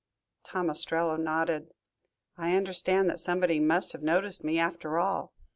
Tom Ostrello nodded. "I understand that somebody must have noticed me after all.